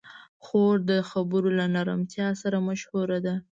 خور د خبرو له نرمتیا سره مشهوره ده.